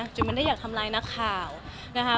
ไม่ได้อยากทำลายนักข่าวนะคะ